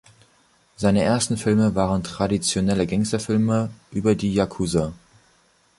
Seine ersten Filme waren traditionelle Gangsterfilme über die Yakuza.